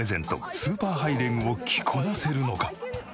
スーパーハイレグを着こなせるのか？